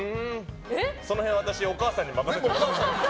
その辺私お母さんに任せてますから。